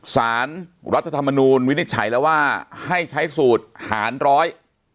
สารรัฐธรรมนูลวินิจฉัยแล้วว่าให้ใช้สูตรหารร้อย